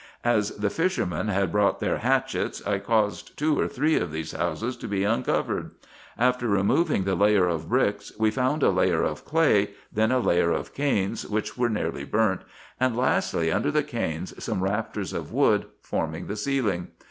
As the fishermen had brought their hatchets, I caused two or three of these houses to be uncovered. After removing the layer of bricks, we found a layer of clay, then a layer of canes, which were nearly burnt, and lastly, under the canes some rafters of wood, forming the ceiling.